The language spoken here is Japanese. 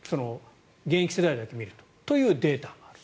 現役世代だけ見るとというデータがあると。